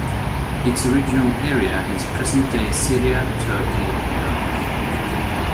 Its original area is present-day Syria, Turkey, and Iraq.